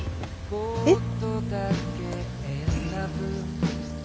えっ！？